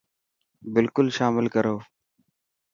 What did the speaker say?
بلڪل شامل ڪرو.